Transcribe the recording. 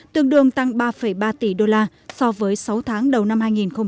tương đương tăng ba ba tỷ đô la so với sáu tháng đầu năm hai nghìn một mươi tám